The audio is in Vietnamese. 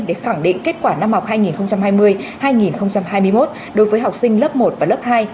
để khẳng định kết quả năm học hai nghìn hai mươi hai nghìn hai mươi một đối với học sinh lớp một và lớp hai